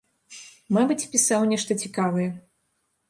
Мабыць, пісаў нешта цікавае.